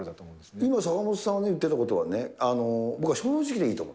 今、坂本さんが言ってたことはね、僕は正直でいいと思う。